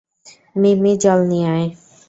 মিম্মি জল নিয়ে আয়।